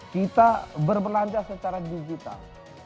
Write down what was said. kita berbelanja secara digital